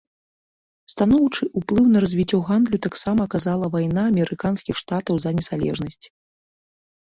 Станоўчы ўплыў на развіццё гандлю таксама аказала вайна амерыканскіх штатаў за незалежнасць.